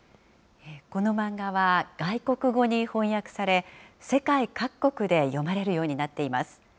この漫画は外国語に翻訳され、世界各国で読まれるようになっています。